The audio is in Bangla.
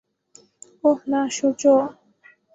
ওহ, না, সূর্য।